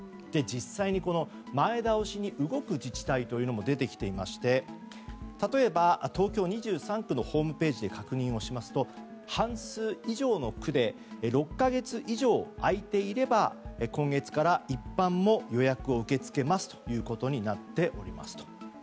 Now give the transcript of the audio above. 実際に、前倒しに動く自治体も出てきていまして例えば、東京２３区のホームページで確認しますと半数以上の区で６か月以上空いていれば今月から一般も予約を受け付けますということになっておりますと。